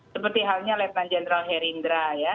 seperti halnya lieutenant general herindra ya